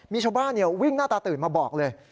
มีชาวบ้านวิ่งหน้าตาตื่นมาบอกเลย